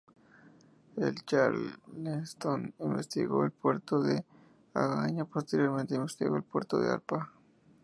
El "Charleston" investigó el puerto de Agaña, posteriormente investigó el puerto de Apra.